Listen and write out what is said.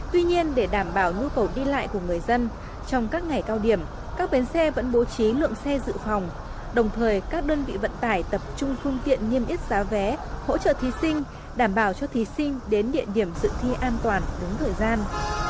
tuy nhiên để đảm bảo nhu cầu đi lại của người dân trong các ngày cao điểm các bến xe vẫn bố trí lượng xe dự phòng đồng thời các đơn vị vận tải tập trung phương tiện niêm yết giá vé hỗ trợ thí sinh đảm bảo cho thí sinh đến địa điểm dự thi an toàn đúng thời gian